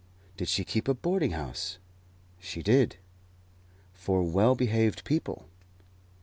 Did she keep a boarding house? She did for well behaved people.